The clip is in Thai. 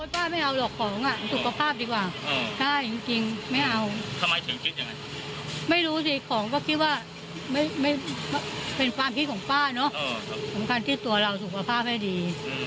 สำคัญที่ตัวเราสุขภาพให้ดี